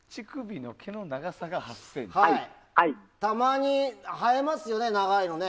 たまに生えますよね、長いのね。